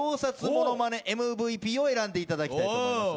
ものまねＭＶＰを選んでいただきたいと思います。